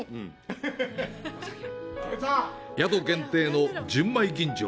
宿限定の純米吟醸。